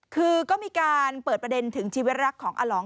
คือก็มีการเปิดประเด็นถึงชีวิตรักของอลอง